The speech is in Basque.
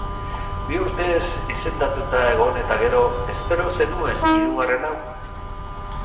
Bi urtez izendatuta egon eta gero, espero zenuen hirugarren hau?